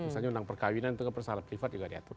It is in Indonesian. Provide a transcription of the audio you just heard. misalnya undang perkahwinan tentang persoalan privat juga diatur